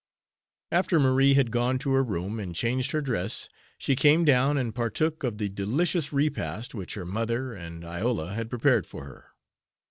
After Marie had gone to her room and changed her dress, she came down and partook of the delicious repast which her mother and Iola had prepared for her.